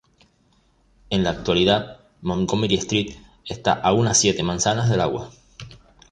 En la actualidad, Montgomery Street está a unas siete manzanas del agua.